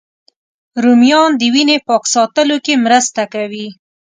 رومیان د وینې پاک ساتلو کې مرسته کوي